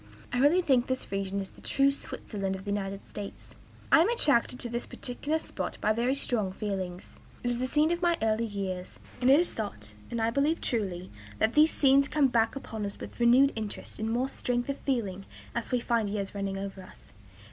I really think this region is the true Switzerland of the United States. "I am attracted to this particular spot by very strong feelings. It is the scene of my early years; and it is thought, and I believe truly, that these scenes come back upon us with renewed interest and more strength of feeling as we find years running over us.